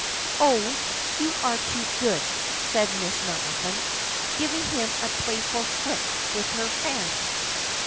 "Oh, you are too good," says Miss Maliphant, giving him a playful flick with her fan.